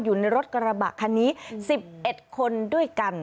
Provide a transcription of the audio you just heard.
อยู่ในรถกระบะคันนี้๑๑คนด้วยกัน